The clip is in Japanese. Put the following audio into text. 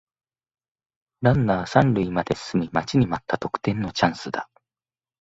ランナー三塁まで進み待ちに待った得点のチャンスだ